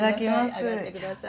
上がって下さい。